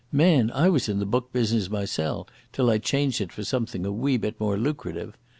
Man, I was in the book business mysel', till I changed it for something a wee bit more lucrative.